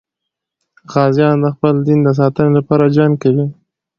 غازیان د خپل دین د ساتنې لپاره جنګ کوي.